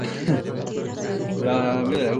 Regresó a España, donde continuó con sus estudios.